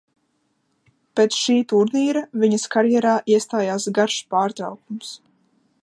Pēc šī turnīra viņas karjerā iestājās garš pārtraukums.